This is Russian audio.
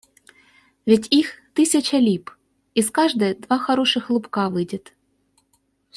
Ведь их тысяча лип, из каждой два хороших лубка выйдет.